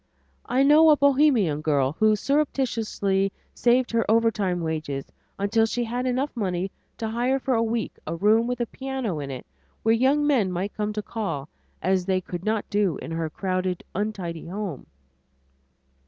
I know a Bohemian girl who surreptitiously saved her overtime wages until she had enough money to hire for a week a room with a piano in it where young men might come to call, as they could not do in her crowded untidy home.